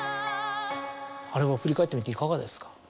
あれを振り返ってみていかがですか？